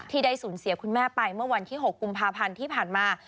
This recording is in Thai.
ได้สูญเสียคุณแม่ไปเมื่อวันที่๖กุมภาพันธ์ที่ผ่านมา